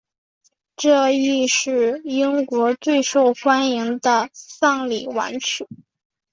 这亦是英国最受欢迎的丧礼挽曲。